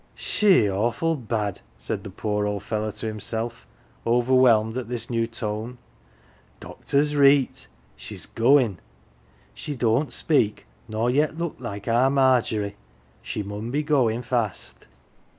" She awful bad !" said the poor old fellow to him self, overwhelmed at this new tone. " Doctor's reet she's goin'. She don't speak nor yet look like our Margery. She mun be goin' fast."